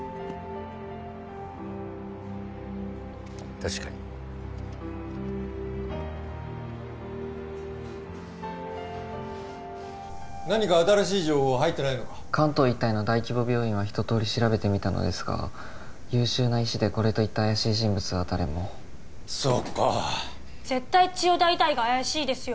確かに何か新しい情報は入ってないのか関東一帯の大規模病院はひととおり調べてみたのですが優秀な医師でこれといった怪しい人物は誰もそうか絶対千代田医大が怪しいですよ